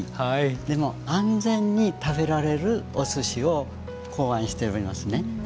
でも安全に食べられるお寿司を考案しておりますね。